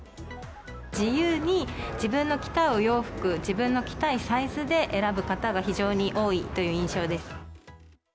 自由に、自分の着たいお洋服、自分の着たいサイズで選ぶ方が非常に多いという印象です。